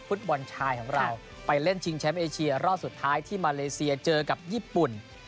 ฟุตบอลชายของเราไปเล่นชิงแชมป์เอเชียรอบสุดท้ายที่มาเลเซียเจอกับญี่ปุ่น